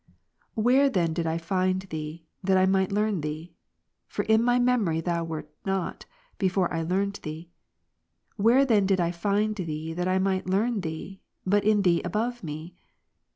Where then did I find Thee, that I might learn Thee ? For in my memory Thou wert not, before I / learned Thee. Where then did I find Thee, that I might J learn Thee, but in Thee above me